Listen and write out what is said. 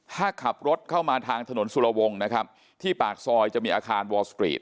ถ้าขับรถเข้ามาทางถนนสุรวงศ์นะครับที่ปากซอยจะมีอาคารวอลสตรีท